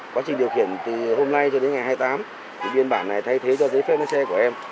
quá trình điều khiển từ hôm nay cho đến ngày hai mươi tám thì biên bản này thay thế cho giấy phép lái xe của em